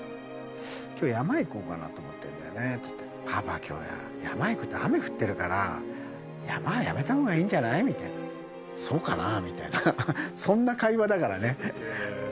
きょう、山行こうかなと思ってんだよねって言って、パパ、きょう山行くって、雨降ってるから、山はやめたほうがいいんじゃない？みたいな、そうかなみたいな、そんな会話だからね。